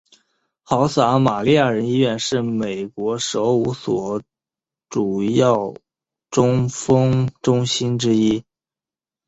好撒玛利亚人医院是美国首五所主要中风中心之一。